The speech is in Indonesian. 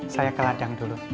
saya ke ladang dulu